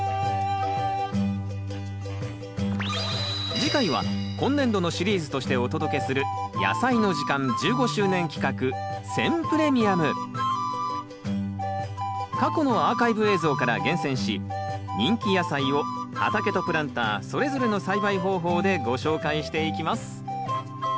次回は今年度のシリーズとしてお届けする過去のアーカイブ映像から厳選し人気野菜を「畑」と「プランター」それぞれの栽培方法でご紹介していきます。